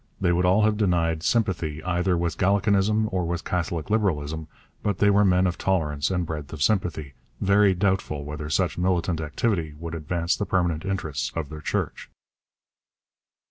They would all have denied sympathy either with Gallicanism or with Catholic Liberalism, but they were men of tolerance and breadth of sympathy, very doubtful whether such militant activity would advance the permanent interests of their Church.